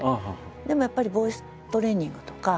でもやっぱりボイストレーニングとか。